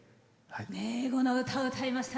英語の歌、歌いました。